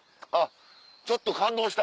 ちょっと感動した。